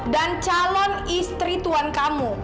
dan calon istri tuan kamu